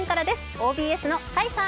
ＯＢＳの甲斐さん。